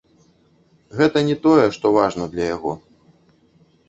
Гэта не тое, што важна для яго.